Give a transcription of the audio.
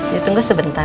kita tunggu sebentar ya